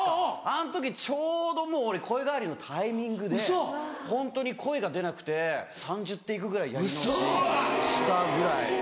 あの時ちょうどもう俺声変わりのタイミングでホントに声が出なくて３０テイクぐらいやり直ししたぐらい。